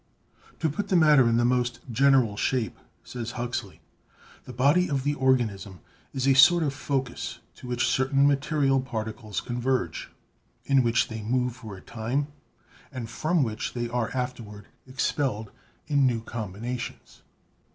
''To put the matter in the most general shape," says Huxley, "the body of the organism is a sort of focus to which certain material particles converge, in which they move for a time, and from which they are afterward expelled in new combinations.